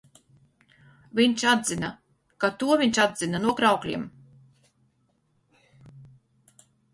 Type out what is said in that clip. Viņš atzina, ka to viņš atdzina no Kraukļiem.